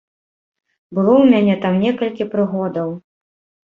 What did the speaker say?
Было ў мяне там некалькі прыгодаў.